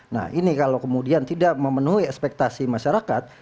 nah ini kalau kemudian tidak memenuhi ekspektasi masyarakat